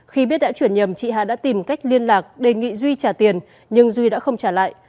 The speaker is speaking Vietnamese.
khi biết đã chuyển nhầm chị hà đã tìm cách liên lạc đề nghị duy trả tiền nhưng duy đã không trả lại